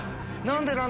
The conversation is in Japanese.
何で？